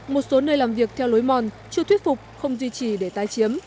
một số nơi làm việc theo lối mòn chưa thuyết phục không duy trì để tái chiếm